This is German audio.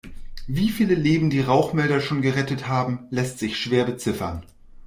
Wie viele Leben die Rauchmelder schon gerettet haben, lässt sich schwer beziffern.